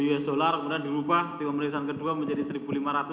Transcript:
usd kemudian dirubah di pemeriksaan kedua menjadi rp satu lima ratus